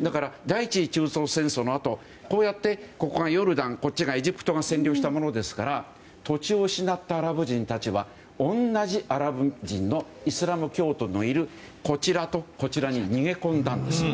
だから第１次中東戦争のあとここがヨルダンこっちはエジプトが占領したものですから土地を失ったアラブ人たちは同じアラブ人のイスラム教徒のいる場所に逃げ込んだんです。